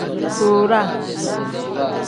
Duuraa.